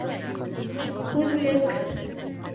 Һүҙлек